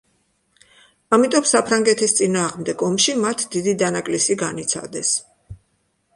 ამიტომ საფრანგეთის წინააღმდეგ ომში მათ დიდი დანაკლისი განიცადეს.